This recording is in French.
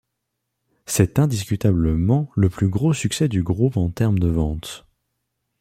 C'est indiscutablement le plus gros succès du groupe en termes de ventes.